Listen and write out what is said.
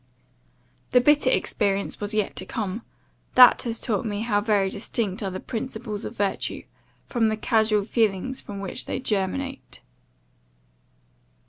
The bitter experience was yet to come, that has taught me how very distinct are the principles of virtue, from the casual feelings from which they germinate."